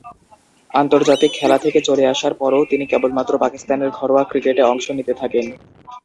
আন্তর্জাতিক খেলা থেকে চলে আসার পরও তিনি কেবলমাত্র পাকিস্তানের ঘরোয়া ক্রিকেটে অংশ নিতে থাকেন।